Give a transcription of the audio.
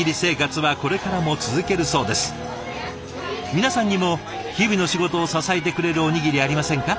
皆さんにも日々の仕事を支えてくれるおにぎりありませんか？